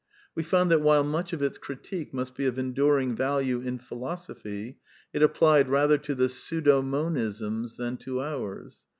We found that while much of its critique must be of en during value in philosophy, it applied rather to the pseudo monisms than to ours.